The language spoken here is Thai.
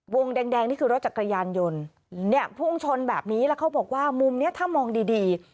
วงแดงแดงนี่คือรถจักรยานยนต์เนี่ยพุ่งชนแบบนี้แล้วเขาบอกว่ามุมเนี้ยถ้ามองดีดี